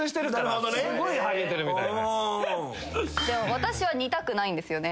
私は似たくないんですよね。